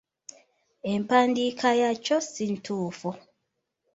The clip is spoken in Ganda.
Empandiika yaakyo si ntuufu.